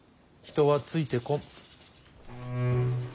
人はついてこん。